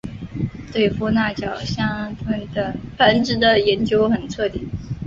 对富纳角箱鲀的繁殖的研究很彻底。